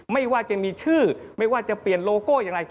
ไม่ว่าจะมีชื่อไม่ว่าจะเปลี่ยนโลโก้อย่างไร